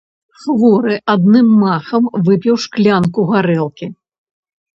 Хворы адным махам выпіў шклянку гарэлкі.